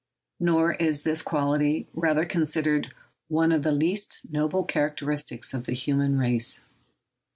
Nor is this quality, rightly considered, one of the least noble characteristics of the human race.